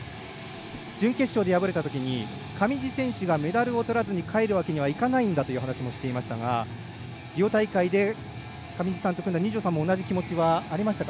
準決勝で敗れたときに上地選手がメダルをとらずに帰るわけにはいかないというお話もしていましたがリオ大会で上地さんと組んだ二條さんも同じ気持ちはありましたか？